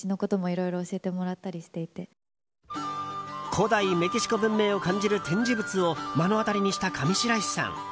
古代メキシコ文明を感じる展示物を目の当たりにした上白石さん。